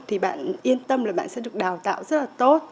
thì bạn yên tâm là bạn sẽ được đào tạo rất là tốt